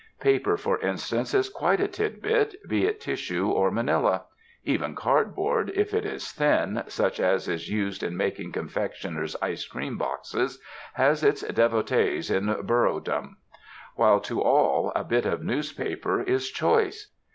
Paper, for instance, is quite a tidbit, be it tissue or 16 THE DESERTS iiianila; even cardboard, if it is tliin, such as is used ill making conreclioner's ice cream boxes, hias its devotees in burrodom; while to all a bit of news paper is choice.